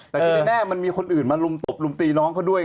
แต่ที่แน่มันมีคนอื่นมาลุมตบลุมตีน้องเขาด้วย